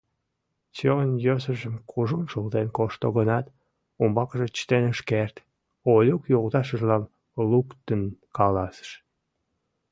Чон йӧсыжым кужун шылтен кошто гынат, умбакыже чытен ыш керт, Олюк йолташыжлан луктын каласыш: